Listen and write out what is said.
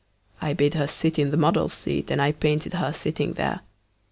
I bade her sit in the model's seat And I painted her sitting there.